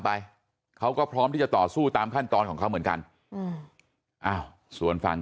ไปเขาก็พร้อมที่จะต่อสู้ตามขั้นตอนของเขาเหมือนกันส่วนฝั่ง